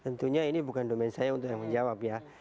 tentunya ini bukan domain saya untuk yang menjawab ya